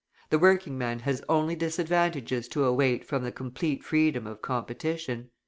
The working man has only disadvantages to await from the complete freedom of competition.